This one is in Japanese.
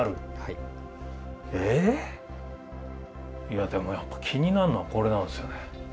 いやでもやっぱ気になるのはこれなんですよね。